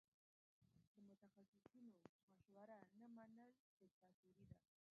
د متخصصینو مشوره نه منل دیکتاتوري ده.